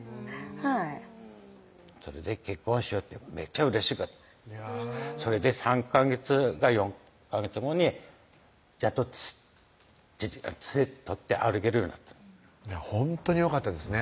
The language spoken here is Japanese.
はいそれで「結婚しよう」ってめっちゃうれしかったそれで３ヵ月か４ヵ月後にやっとつえ取って歩けるようになったほんとによかったですね